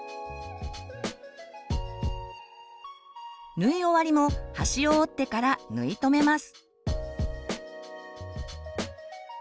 縫い終わりも端を折ってから縫い留めます。